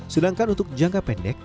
sedangkan untuk jangka pendek